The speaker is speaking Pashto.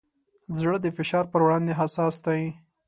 زړه د فشار پر وړاندې حساس دی.